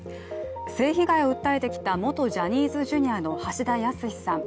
性被害を訴えてきた元ジャニーズＪｒ．の橋田康さん。